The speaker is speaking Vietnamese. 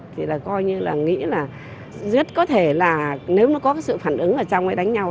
thì là coi như là nghĩ là rất có thể là nếu nó có cái sự phản ứng ở trong ấy đánh nhau